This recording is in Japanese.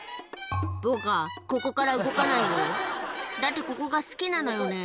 「僕はここから動かないよだってここが好きなのよね」